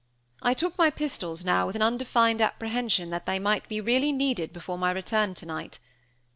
I took my pistols now with an undefined apprehension that they might be really needed before my return tonight.